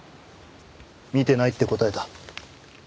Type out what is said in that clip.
見てないって答えた。